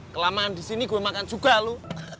kelamaan disini gue makan juga lo